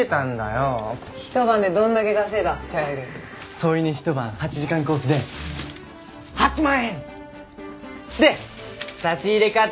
添い寝ひと晩８時間コースで８万円！で差し入れ買ってきたよ